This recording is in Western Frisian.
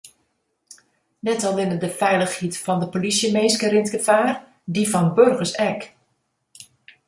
Net allinnich de feilichheid fan de polysjeminsken rint gefaar, dy fan boargers ek.